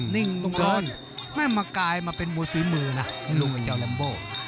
นิ่งต้องโดนแม่มากลายมาเป็นมวยฝีมือนะลูกไอ้เจ้าแรมโบ